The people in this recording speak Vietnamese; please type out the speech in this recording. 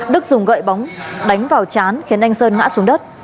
đức dùng gậy bóng đánh vào chán khiến anh sơn ngã xuống đất